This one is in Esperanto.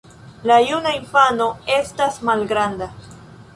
La juna infano estas malgranda.